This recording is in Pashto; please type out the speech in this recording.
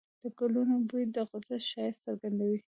د ګلونو بوی د قدرت ښایست څرګندوي.